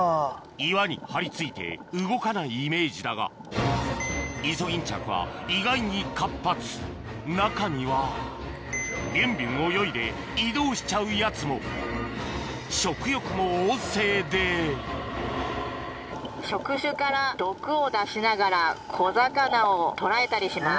岩に張り付いて動かないイメージだがイソギンチャクは意外に活発中にはビュンビュン泳いで移動しちゃうやつも食欲も旺盛で触手から毒を出しながら小魚を捕らえたりします。